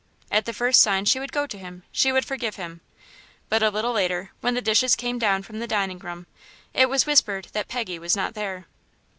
At the first sign she would go to him, she would forgive him. But a little later, when the dishes came down from the dining room, it was whispered that Peggy was not there.